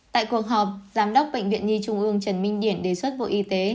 tại cuộc họp giám đốc bệnh viện nhi trung ương trần minh điển đề xuất bộ y tế